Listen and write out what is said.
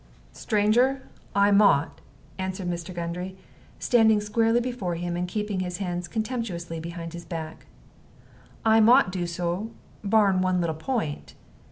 "Stranger, I mought," answered Mr. Gundry, standing squarely before him, and keeping his hands contemptuously behind his back "I mought so do, barrin' one little point.